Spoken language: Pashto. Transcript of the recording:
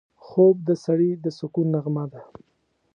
خوب د سړي د سکون نغمه ده